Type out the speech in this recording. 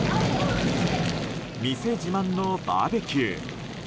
店自慢のバーベキュー。